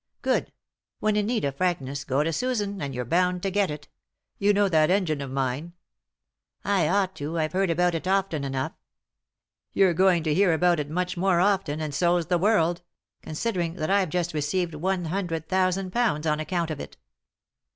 " Good I — when in need of frankness go to Susan and you're bound to get it 1 You know that engine of mine ?"" I ought to ; I've heard about it often enough." " You're going to hear about it much more often, 320 3i 9 iii^d by Google THE INTERRUPTED KISS and so's the world — considering that I've just received one hundred thousand pounds on account of it."